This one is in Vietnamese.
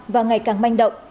và ngày càng manh động